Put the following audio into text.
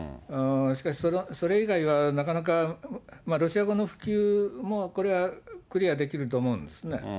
しかし、それ以外はなかなかロシア語の普及もこれはクリアできると思うんですね。